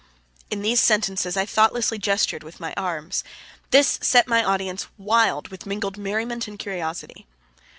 In these sentences I thoughtlessly gestured with my arms; this set my audience wild with mingled merriment and curiosity.